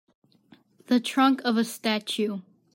The trunk of a statue.